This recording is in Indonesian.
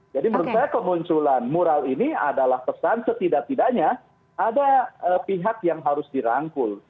jadi menurut saya kemunculan moral ini adalah pesan setidak tidaknya ada pihak yang harus dirangkul